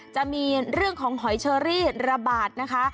จะมีเรื่องของหอยเชอรี่ระบาดนะคะ